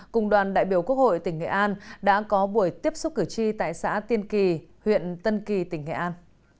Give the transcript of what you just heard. cùng đoàn đại biểu quốc hội tỉnh nghệ an đã có buổi tiếp xúc cử tri tại xã tiên kỳ huyện tân kỳ tỉnh nghệ an